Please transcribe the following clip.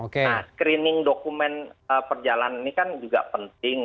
nah screening dokumen perjalanan ini kan juga penting